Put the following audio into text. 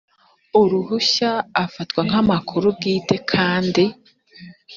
uruhushya afatwa nk amakuru bwite kandi